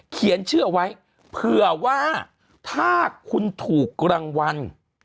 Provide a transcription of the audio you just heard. เขียนชื่อเอาไว้เผื่อว่าถ้าคุณถูกรางวัล